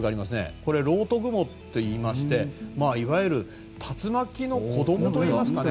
これ、漏斗雲といいましていわゆる竜巻の子どもといいますかね